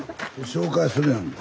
紹介するやん。